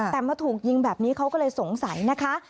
แต่มาถูกยิงแบบนี้เขาก็เลยสงสัยนะคะ